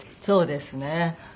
そうですね。